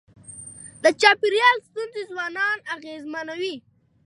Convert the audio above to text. د چاپېریال ستونزې ځوانان اغېزمنوي.